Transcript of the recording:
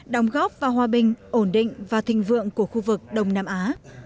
đồng góp vào hòa bình ổn định và thịnh vượng của khu vực đông nam á